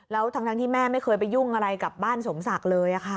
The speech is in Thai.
แล้วทั้งที่แม่ไม่เคยไปยุ่งอะไรกับบ้านสมศักดิ์เลยค่ะ